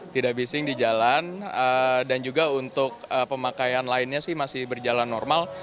tidak bising di jalan dan juga untuk pemakaian lainnya sih masih berjalan normal